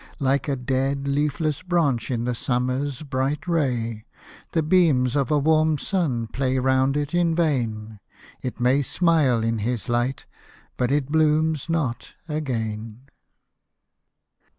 Like a dead, leafless branch in the summer's bright ray; The beams of a warm sun play round it in vain. It may smile in his light, but it blooms not again.